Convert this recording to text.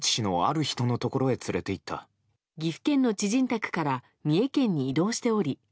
岐阜県の知人宅から三重県に移動しており